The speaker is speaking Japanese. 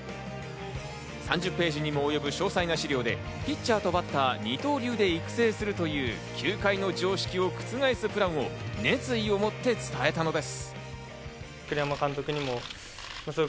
３０ページにも及ぶ詳細な資料でピッチャーとバッター、二刀流で育成するという球界の常識を覆すプランを決意をもって伝えたのです。